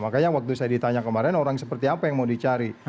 makanya waktu saya ditanya kemarin orang seperti apa yang mau dicari